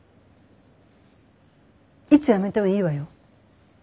いつ辞めてもいいわよ。